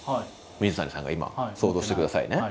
水谷さんが今。想像してくださいね。